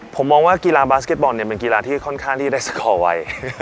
ผมมองว่ากีฬาบาสเก็ตบอลเนี่ยเป็นกีฬาที่ค่อนข้างที่จะได้สคอไว